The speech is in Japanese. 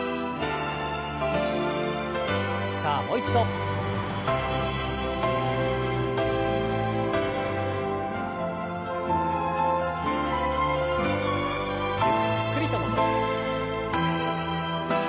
さあもう一度。ゆっくりと戻して。